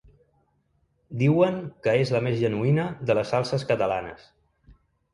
Diuen que és la més genuïna de les salses catalanes.